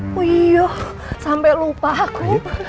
wiyoh sampai lupa aku